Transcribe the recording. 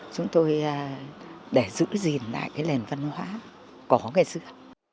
chúng tôi để giữ gìn lại cái lền văn hóa có ngày xưa